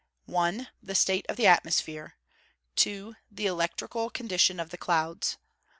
_ 1. The state of the atmosphere. 2. The electrical condition of the clouds.